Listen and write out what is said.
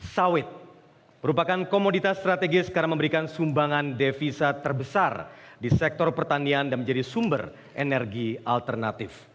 sawit merupakan komoditas strategis karena memberikan sumbangan devisa terbesar di sektor pertanian dan menjadi sumber energi alternatif